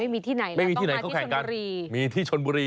ไม่มีที่ไหนแล้วต้องมาที่สนุรี